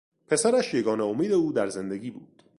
پسرش یگانه امید او در زندگی بود.